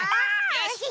よし！